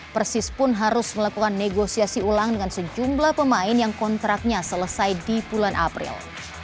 persis pun harus melakukan negosiasi ulang dengan sejumlah pemain yang kontraknya selesai di bulan april